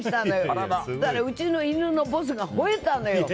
そうしたらうちの犬のボスがほえたのよ。